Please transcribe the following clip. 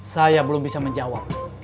saya belum bisa menjawab